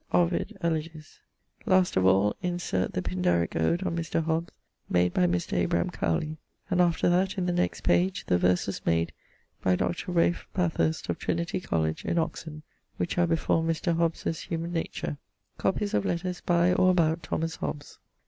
Ovid. Eleg. Last of all insert the pindarique ode on Mr. Hobbes made by Mr. Abraham Cowley; and after that, in the next page, the verses made by Dr. Ralph Bathurst of Trinity College in Oxon, which are before Mr. Hobbes's Humane Nature. <_Copies of letters by, or about, Thomas Hobbes.